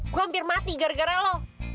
gue hampir mati gara gara lo